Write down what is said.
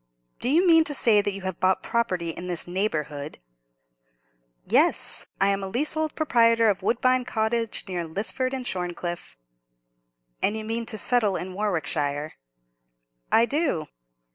"Do you mean to say that you have bought property in this neighbourhood?" "Yes! I am leasehold proprietor of Woodbine Cottage, near Lisford and Shorncliffe." "And you mean to settle in Warwickshire?" "I do."